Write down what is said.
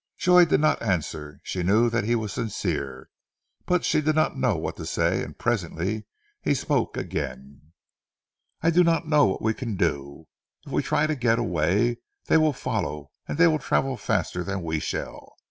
Joy did not answer, she knew that he was sincere, but she did not know what to say, and presently he spoke again "I do not know what we can do. If we try to get away they will follow, and they will travel faster than we shall.